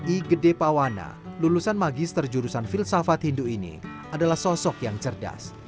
i gede pawana lulusan magister jurusan filsafat hindu ini adalah sosok yang cerdas